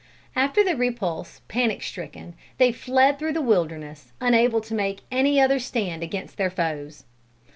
After the repulse, panic stricken, they fled through the wilderness, unable to make any other stand against their foes.